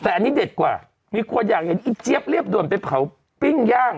แต่อันนี้เด็ดกว่ามีคนอยากเห็นอีเจี๊ยบเรียบด่วนไปเผาปิ้งย่าง